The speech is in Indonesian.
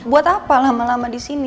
buat apa lama lama di sini